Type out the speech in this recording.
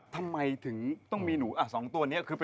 ทำไมถึงต้องมีหนูอะสองตัวเนี่ยคือ